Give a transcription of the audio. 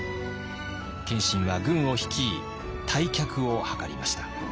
謙信は軍を率い退却をはかりました。